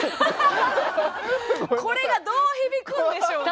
これがどう響くんでしょうかね。